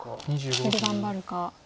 それで頑張るか。